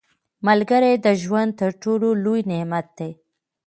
• ملګری د ژوند تر ټولو لوی نعمت دی.